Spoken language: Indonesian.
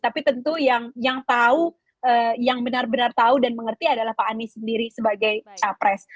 tapi tentu yang benar benar tahu dan mengerti adalah pak anies sendiri sebagai cawapres